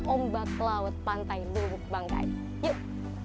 ombak laut pantai lubanggai yuk